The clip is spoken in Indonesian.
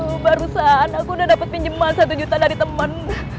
huh barusan aku udah dapet pinjeman rp satu dari temen